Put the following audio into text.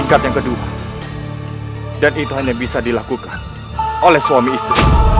raden raden kamu dihukum mati